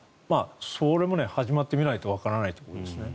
それも始まってみないとわからないと思いますね。